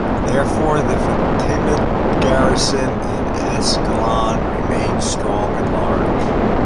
Therefore, the Fatimid garrison in Ascalon remained strong and large.